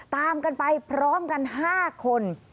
ตามกันไปพร้อมกัน๕คน